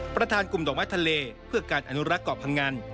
ประธานกลุ่มดอกไม้ทะเลเพื่อการอนุรักษ์เกาะพังงัน